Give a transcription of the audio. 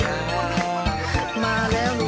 เตรียมตัวครับ